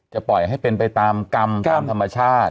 จะปล่อยให้ไปตามกรรมกรรมธรรมชาติ